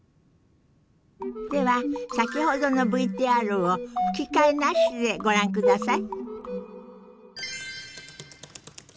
では先ほどのＶＴＲを吹き替えなしでご覧ください。